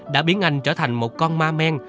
đã biến anh trở thành một con ma men